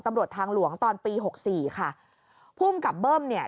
ตำรวจทางหลวงตอนปีหกสี่ค่ะภูมิกับเบิ้มเนี่ย